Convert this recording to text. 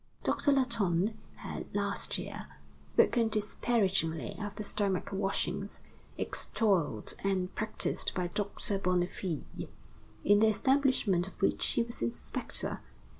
Doctor Latonne had, last year, spoken disparagingly of the stomach washings, extolled and practiced by Doctor Bonnefille, in the establishment of which he was inspector.